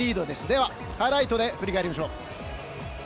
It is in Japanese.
ではハイライトで振り返ります。